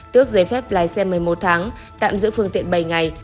tước giấy phép lái xe một mươi một tháng tạm giữ phương tiện bảy ngày